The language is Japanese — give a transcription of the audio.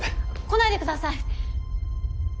来ないでください！